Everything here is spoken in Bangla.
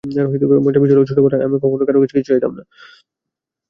মজার বিষয় হলো, ছোটবেলায় আমি কখনোই কারও কাছে কিছু চাইতাম না।